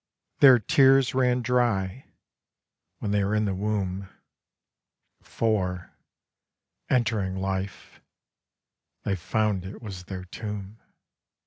Their tears ran dry when they were in the womb, For, entering life — they found it was their tomb.